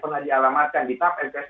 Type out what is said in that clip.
sudah dialamatkan di tab nps